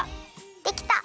できた。